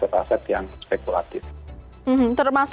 adalah lush encampure ini sudah terhhh